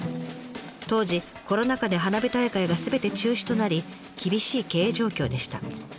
当時コロナ禍で花火大会がすべて中止となり厳しい経営状況でした。